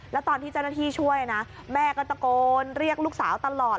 แล้วตอนที่เจ้าหน้าที่ช่วยนะแม่ก็ตะโกนเรียกลูกสาวตลอด